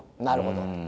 なるほど。